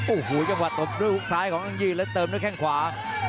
โอ้โหจังหวะตบด้วยฮุกซ้ายของอังยืนและเติมด้วยแข้งขวา